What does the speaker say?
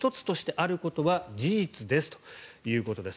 あることは事実ですということです。